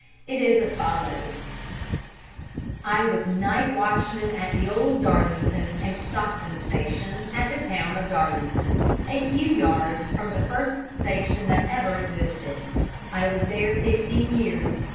It is as follows: "I was night watchman at the old Darlington and Stockton Station at the town of Darlington, a few yards from the first station that ever existed. I was there fifteen years.